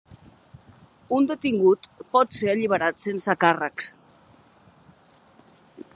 Un detingut pot ser alliberat sense càrrecs.